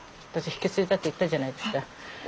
引き継いだって言ったじゃないですか。